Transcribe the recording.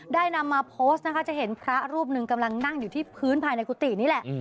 นำมาโพสต์นะคะจะเห็นพระรูปหนึ่งกำลังนั่งอยู่ที่พื้นภายในกุฏินี่แหละ